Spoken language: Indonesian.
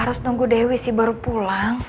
harus nunggu dewi sih baru pulang